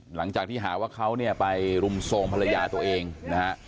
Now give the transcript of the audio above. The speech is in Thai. หลังจากที่หาว่าเขาเนี่ยไปรุมโทรมภรรยาตัวเองนะฮะ